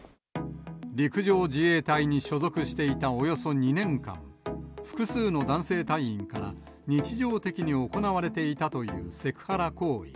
陸上自衛隊に所属していたおよそ２年間、複数の男性隊員から日常的に行われていたというセクハラ行為。